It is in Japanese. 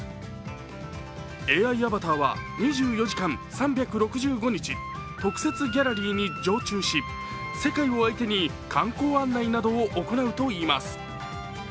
ＡＩアバターは２４時間、３６５日、特設ギャラリーに常駐し、世界を相手に観光案内などを行うといいます。